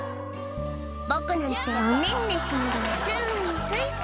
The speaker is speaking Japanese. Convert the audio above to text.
「僕なんておねんねしながらスイスイ」